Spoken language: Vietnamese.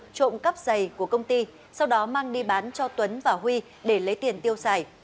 trộm cắp giày của công ty sau đó mang đi bán cho tuấn và huy để lấy tiền tiêu xài